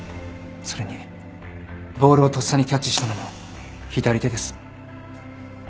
それにボールをとっさにキャッチしたのも左手です。